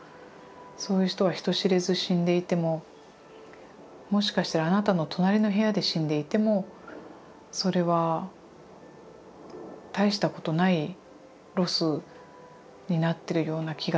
そういう人は人知れず死んでいてももしかしたらあなたの隣の部屋で死んでいてもそれは大したことないロスになってるような気がするんですよね。